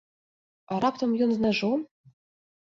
А раптам ён з нажом?